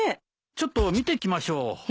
ちょっと見てきましょう。